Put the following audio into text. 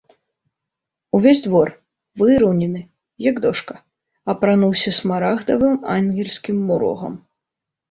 Увесь двор, выраўнены, як дошка, апрануўся смарагдавым ангельскім мурогам.